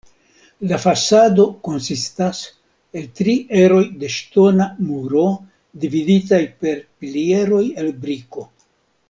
La fasado konsistas el tri eroj de ŝtona muro dividitaj per pilieroj el briko.